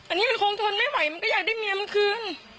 อันนี้มันคงทนไม่ไหวมันก็อยากได้เมียมันคืน